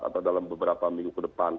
atau dalam beberapa minggu ke depan